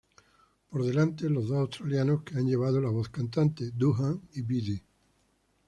Por delante, los dos australianos que han llevado la voz cantante, Doohan y Beattie.